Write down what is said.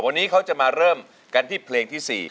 วันนี้เขาจะมาเริ่มกันที่เพลงที่๔